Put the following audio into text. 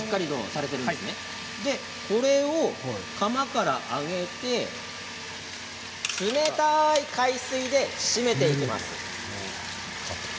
これを浜から揚げて冷たい海水で締めていきます。